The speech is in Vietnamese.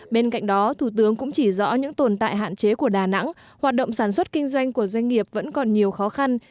bên cạnh đó thủ tướng cũng chỉ rõ những tồn tại hạn chế của đà nẵng hoạt động sản xuất kinh doanh của doanh nghiệp vẫn còn nhiều khó khăn